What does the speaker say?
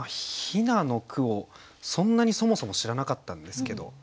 「雛」の句をそんなにそもそも知らなかったんですけど。